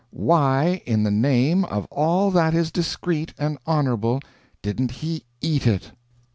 Why, in the name of all that is discreet and honorable, didn't he eat it!"